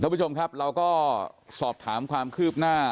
ผู้ชมครับเราก็สอบถามความคืบหน้า